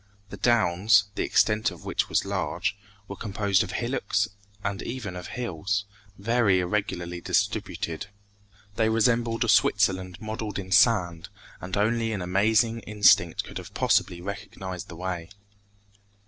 The downs, the extent of which was large, were composed of hillocks and even of hills, very irregularly distributed. They resembled a Switzerland modeled in sand, and only an amazing instinct could have possibly recognized the way.